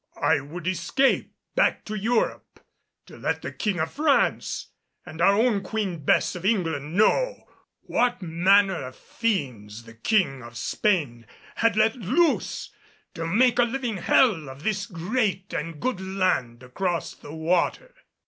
I would escape back to Europe to let the King of France and our own Queen Bess of England know what manner of fiends the King of Spain had let loose, to make a living hell of this great and good land across the water.